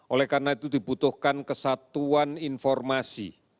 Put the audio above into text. oleh karena itu dibutuhkan kesatuan informasi